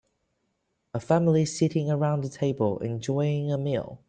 A family sitting around a table enjoying a meal.